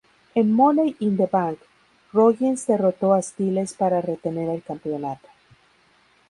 En Money in the Bank, Rollins derrotó a Styles para retener el campeonato.